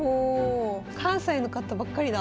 関西の方ばっかりだ。